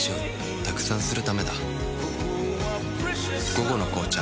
「午後の紅茶」